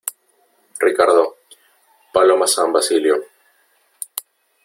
Ricardo ... paloma San Basilio .